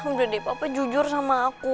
udah deh bapak jujur sama aku